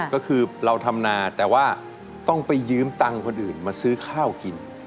ก็คือเราทำนาแต่ว่าต้องไปยืมตังค์คนอื่นมาซื้อข้าวกิน